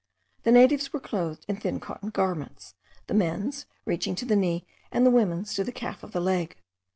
(The natives were clothed in thin cotton garments; the men's reaching to the knee, and the women's to the calf of the leg.